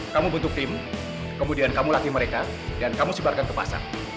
kamu butuh tim kemudian kamu laki mereka dan kamu sebarkan ke pasar